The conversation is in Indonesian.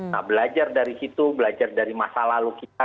nah belajar dari situ belajar dari masa lalu kita